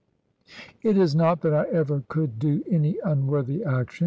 It is not that I ever could do any unworthy action.